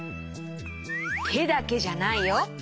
てだけじゃないよ。